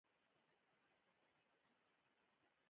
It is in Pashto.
سارا؛ علي ته پلو ونیو چې زوی مې وبښه.